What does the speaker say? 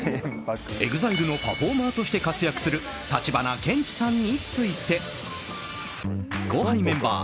ＥＸＩＬＥのパフォーマーとして活躍する橘ケンチさんについて後輩メンバー